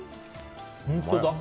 本当だ。